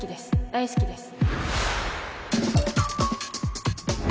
大好きです。